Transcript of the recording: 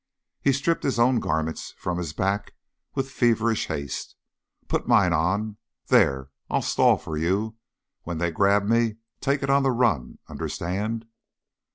He stripped his own garments from his back with feverish haste. "Put mine on. There! I'll stall for you. When they grab me, take it on the run. Understand!"